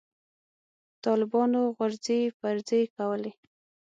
طالبانو غورځې پرځې کولې.